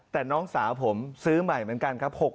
แต่น้องสาวผมซื้อใหม่เหมือนกันครับ